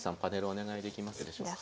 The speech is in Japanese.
お願いできますでしょうか。